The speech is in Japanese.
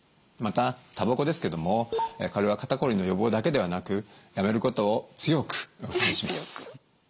またたばこですけどもこれは肩こりの予防だけではなくやめることを強くお勧めします。